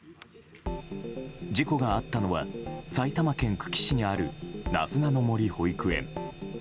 事故があったのは埼玉県久喜市にあるなずなの森保育園。